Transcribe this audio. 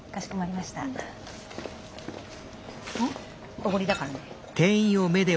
おごりだからね。